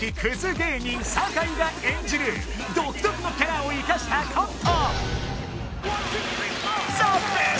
芸人酒井が演じる独特のキャラを生かしたコント